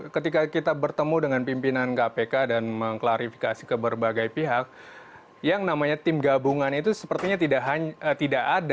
ketika kita bertemu dengan pimpinan kpk dan mengklarifikasi ke berbagai pihak yang namanya tim gabungan itu sepertinya tidak ada